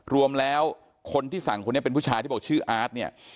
รวมแล้วคนที่สั่งคนนี้เป็นผู้ชายที่บอกชื่ออาร์ตเนี่ย